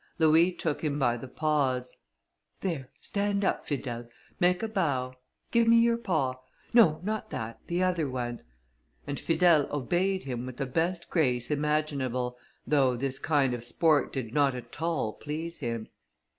Louis took him by the paws: "There, stand up, Fidèle; make a bow; give me your paw; no, not that, the other one;" and Fidèle obeyed him with the best grace imaginable, though this kind of sport did not at all please him.